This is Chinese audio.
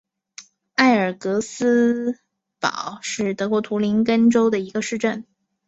埃尔格尔斯堡是德国图林根州的一个市镇。